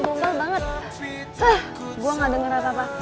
gue gak denger apa apa